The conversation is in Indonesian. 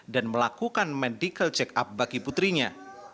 dan melakukan medical check up bagi putrinya